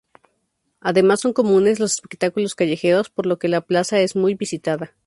Además son comunes los espectáculos callejeros, por lo que la plaza es muy visitada.